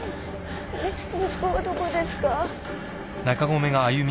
息子はどこですか？